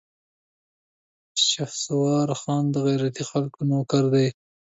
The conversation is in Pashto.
شهسوار خان د غيرتي خلکو نوکر دی.